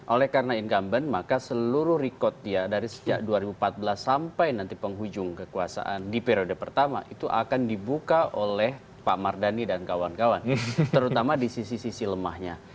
oleh karena incumbent maka seluruh record dia dari sejak dua ribu empat belas sampai nanti penghujung kekuasaan di periode pertama itu akan dibuka oleh pak mardhani dan kawan kawan terutama di sisi sisi lemahnya